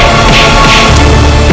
aku akan menang